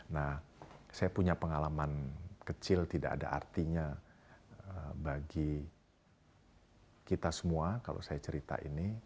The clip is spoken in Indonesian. nah saya punya pengalaman kecil tidak ada artinya bagi kita semua kalau saya cerita ini